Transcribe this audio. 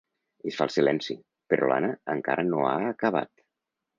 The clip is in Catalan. Es fa el silenci, però l'Anna encara no ha acabat.